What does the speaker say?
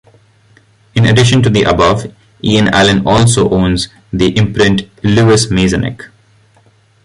In addition to the above Ian Allan also owns the imprint Lewis Masonic.